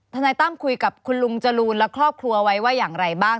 ทนายตั้มคุยกับคุณลุงจรูนและครอบครัวไว้ว่าอย่างไรบ้าง